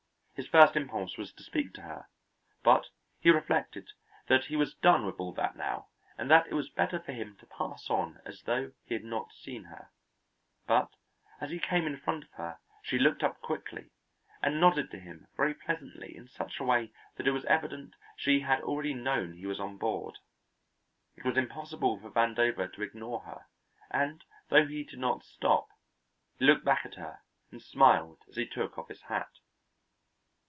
His first impulse was to speak to her, but he reflected that he was done with all that now and that it was better for him to pass on as though he had not seen her, but as he came in front of her she looked up quickly and nodded to him very pleasantly in such a way that it was evident she had already known he was on board. It was impossible for Vandover to ignore her, and though he did not stop, he looked back at her and smiled as he took off his hat.